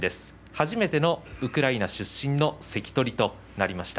初めてのウクライナ出身の関取となりました。